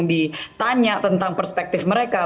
ditanya tentang perspektif mereka